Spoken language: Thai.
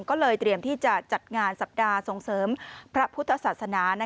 ก็เลยเตรียมที่จะจัดงานสัปดาห์ส่งเสริมพระพุทธศาสนา